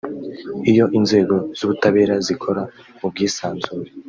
Iyo inzego z’ubutabera zikora mu bwisanzure